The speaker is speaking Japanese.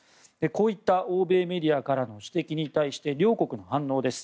こういった欧米メディアからの指摘に対して両国の反応です。